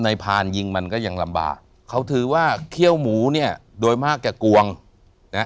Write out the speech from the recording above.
พานยิงมันก็ยังลำบากเขาถือว่าเขี้ยวหมูเนี่ยโดยมากแก่กวงนะ